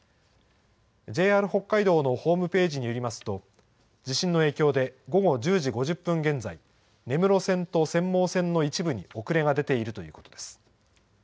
ＪＲ北海道のホームページによりますと、地震の影響で、午後１０時５０分現在、根室線と釧網線の一部に遅れが出ているということです。